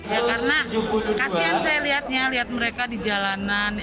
ya karena kasihan saya lihatnya lihat mereka di jalanan